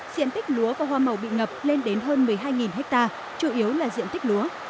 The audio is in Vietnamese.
diện tích lúa và hoa màu bị ngập lên đến hơn một mươi hai ha chủ yếu là diện tích lúa